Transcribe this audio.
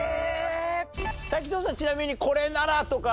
滝藤さんちなみにこれなら！とか。